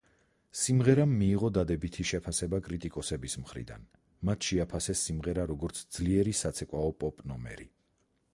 სიმღერამ მიიღო დადებითი შეფასება კრიტიკოსების მხრიდან, მათ შეაფასეს სიმღერა როგორც ძლიერი საცეკვაო პოპ ნომერი.